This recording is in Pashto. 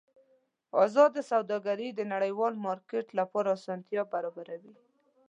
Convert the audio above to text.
ازاده سوداګري د نړیوال مارکېټ لپاره اسانتیا برابروي.